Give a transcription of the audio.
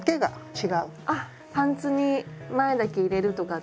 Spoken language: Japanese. あっパンツに前だけ入れるとかって。